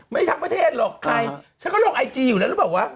ไม่ทั้งประเทศหรอกใครฉันก็ลงไอจีอยู่แล้วหรือเปล่าวะ